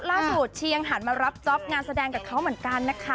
เชียงหันมารับจ๊อปงานแสดงกับเขาเหมือนกันนะคะ